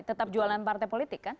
tetap jualan partai politik kan